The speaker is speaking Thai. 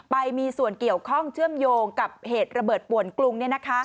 ไปมีส่วนเกี่ยวข้องเชื่อมโยงกับเหตุระเบิดป่วนกรุง